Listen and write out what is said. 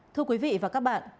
thưa quý vị và các bạn